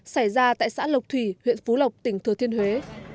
xảy ra tại xã lộc thủy huyện phú lộc tỉnh thừa thiên huế